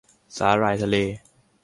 สาหร่ายทะเล ?